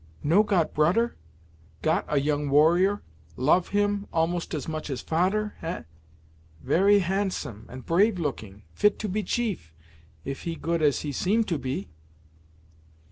"No got broder got a young warrior Love him, almost as much as fader, eh? Very handsome, and brave looking; fit to be chief, if he good as he seem to be."